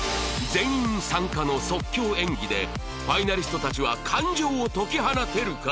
全員参加の即興演技でファイナリストたちは感情を解き放てるか？